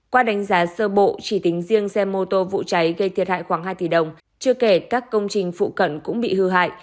qua đánh giá sơ bộ chỉ tính riêng xe mô tô vụ cháy gây thiệt hại khoảng hai tỷ đồng chưa kể các công trình phụ cận cũng bị hư hại